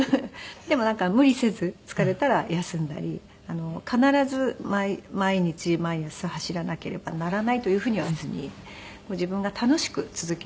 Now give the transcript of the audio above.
でもなんか無理せず疲れたら休んだり必ず毎日毎朝走らなければならないというふうにはせずに自分が楽しく続けられるペースで。